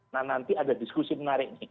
nah nanti ada diskusi menarik nih